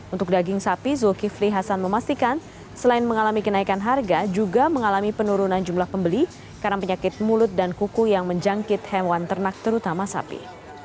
untuk daging sapi zulkifli hasan memastikan selain mengalami kenaikan harga juga mengalami penurunan jumlah pembeli karena penyakit mulut dan kuku yang menjangkit hewan ternak terutama sapi